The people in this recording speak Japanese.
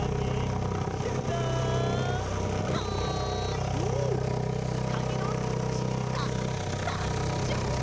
いいかげのルチータさんじょう！